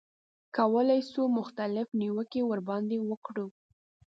کولای شو مختلفې نیوکې ورباندې وکړو.